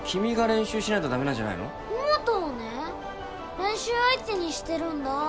練習相手にしてるんだ。